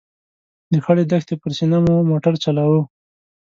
د خړې دښتې پر سینه مو موټر چلاوه.